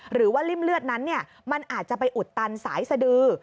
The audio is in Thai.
หรือว่าริ่มเลือดนั้นมันอาจจะไปอุดตันสายสดือ